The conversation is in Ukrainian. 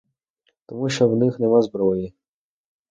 Тому, що в них нема зброї.